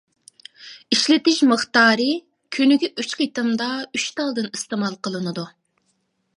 ئىشلىتىش مىقدارى: كۈنىگە ئۈچ قېتىمدا ئۈچ تالدىن ئىستېمال قىلىنىدۇ.